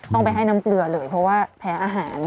ต้องไปให้น้ำเกลือเลยเพราะว่าแพ้อาหาร